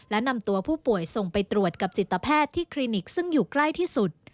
และนำตัวผู้ป่วยส่งไปตรวจกับจิตแพทย์ที่คลินิกซึ่งอยู่ใกล้ที่สุด